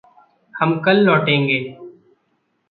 हम कल लौटेंगे।